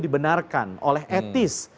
dibenarkan oleh etis